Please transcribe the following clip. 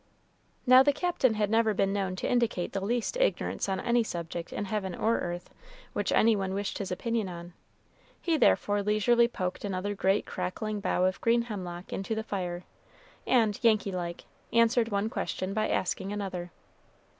Now the Captain had never been known to indicate the least ignorance on any subject in heaven or earth, which any one wished his opinion on; he therefore leisurely poked another great crackling bough of green hemlock into the fire, and, Yankee like, answered one question by asking another.